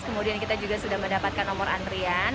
kemudian kita juga sudah mendapatkan nomor antrian